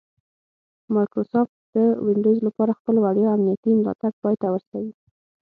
مایکروسافټ د ونډوز لپاره خپل وړیا امنیتي ملاتړ پای ته ورسوي